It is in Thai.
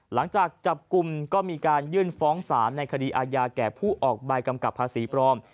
หลังจากจับกลุ่มก็มีการยื่นฟ้องศาลในคดีอาญาแก่ผู้ออกใบกำกับภาษีปลอม